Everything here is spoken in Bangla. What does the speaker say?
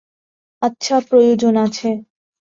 আচ্ছা, প্রয়োজন আছে।